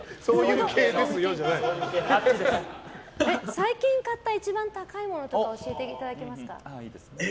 最近買った一番高いものとか教えていただけますか。